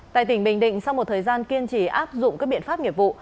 tại tỉnh bình định sau một thời gian kiên trì áp dụng các biện pháp nghiệp vụ